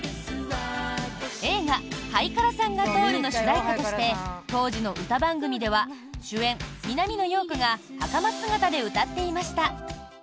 映画「はいからさんが通る」の主題歌として当時の歌番組では主演・南野陽子が袴姿で歌っていました。